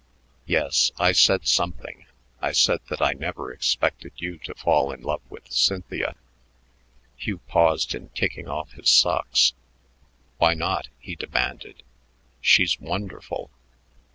"Yes, I said something. I said that I never expected you to fall in love with Cynthia." Hugh paused in taking off his socks. "Why not?" he demanded. "She's wonderful."